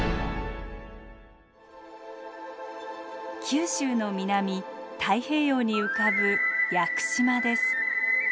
九州の南太平洋に浮かぶ屋久島です。